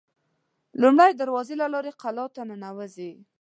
لومړۍ دروازې له لارې قلا ته ننوزي.